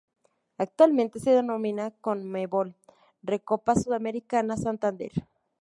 Actualmente se denomina Conmebol Recopa Sudamericana Santander.